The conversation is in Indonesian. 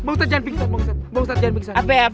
bang ustadz jangan biksa